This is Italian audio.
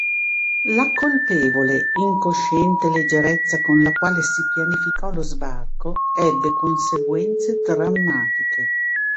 La colpevole, incosciente leggerezza con la quale si pianificò lo sbarco ebbe conseguenze drammatiche.